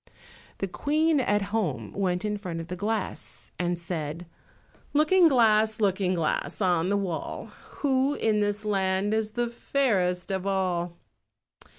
The Queen, at home, went in front of the glass and said— "Looking glass, Looking glass, on the wall, Who in this land is the fairest of all?"